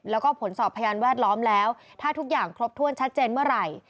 แล้วก็ผลสอบพยานแวดล้อมแล้วถ้าทุกอย่างครบถ้วนชัดเจนเมื่อไหร่